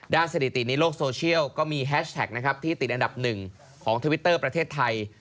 สถิติในโลกโซเชียลก็มีแฮชแท็กนะครับที่ติดอันดับหนึ่งของทวิตเตอร์ประเทศไทย